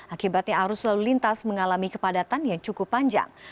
akibatnya arus lalu lintas mengalami kepadatan yang cukup panjang